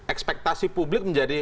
ekspektasi publik menjadi